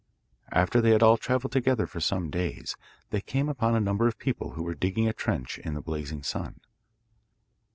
After they had all travelled together for some days, they came upon a number of people who were digging a trench in the blazing sun.